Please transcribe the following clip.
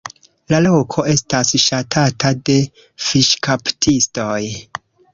La loko estas ŝatata de fiŝkaptistoj.